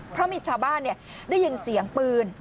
เพราะมีชาวบ้านได้ยินเสียงปืน